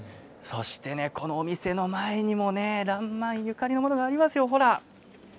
このお店の前にも「らんまん」ゆかりのものがありますよ。